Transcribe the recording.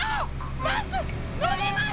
バスのります！